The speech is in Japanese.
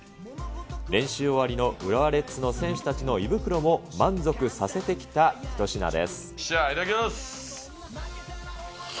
練習終わりの浦和レッズの選手たちの胃袋も満足させてきた一品でいただきます。